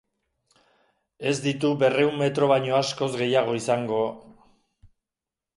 Ez ditu berrehun metro baino askoz gehiago izango...